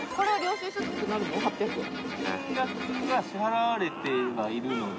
金額が支払われてはいるので。